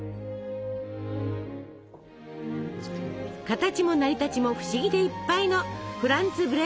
形も成り立ちも不思議でいっぱいのフランツブレートヒェン。